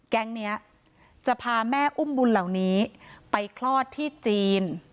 แก๊งนี้จะพาแม่อุ้มบุญเหล่านี้ไปคลอดที่จีน